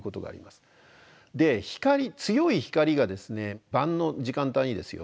で強い光がですね晩の時間帯にですよ